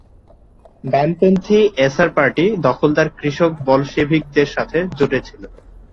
বামপন্থী SR party দখলদার কৃষক বলশেভিকদের সাথে জোটে ছিল।